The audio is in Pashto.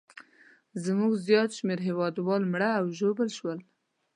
زموږ زیات شمېر هیوادوال مړه او ژوبل شول.